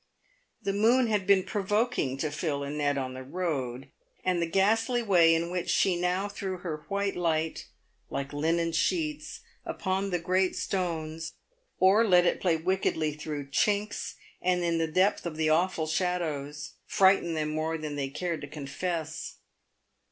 The moon had been provoking to Phil and Ned on the road, and the ghastly way in which she now threw her white light, like linen sheets, upon the great stones, or let it play wickedly through chinks, and in the depth of the awful shadows, frightened them more than they cared to confess.